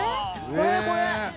これこれ。